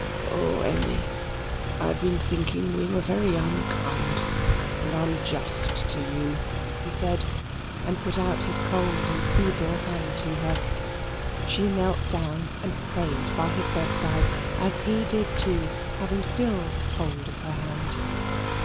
"Oh, Emmy, I've been thinking we were very unkind and unjust to you," he said and put out his cold and feeble hand to her. She knelt down and prayed by his bedside, as he did too, having still hold of her hand.